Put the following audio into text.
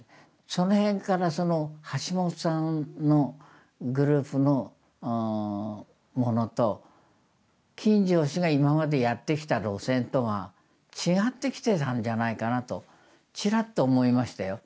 その辺からその橋本さんのグループのものと金城氏が今までやって来た路線とが違ってきてたんじゃないかなとちらっと思いましたよ。